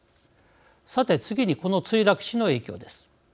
さて、次にこの墜落死の影響です。